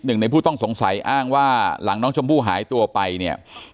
หนึ่งในผู้ต้องสงสัยอ้างว่าหลังน้องชมพู่หายตัวไปเนี่ย